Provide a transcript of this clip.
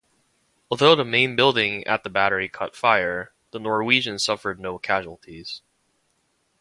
Although the main building at the battery caught fire, the Norwegians suffered no casualties.